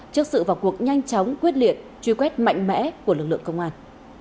trước sự vào cuộc nhanh chóng quyết liệt truy quét mạnh mẽ của lực lượng công an